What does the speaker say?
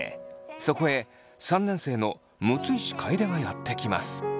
そこへ３年生の六石楓がやって来ます。